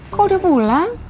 kok udah pulang